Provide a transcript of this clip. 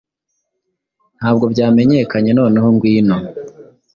Ntabwo byamenyekanye noneho ngwino,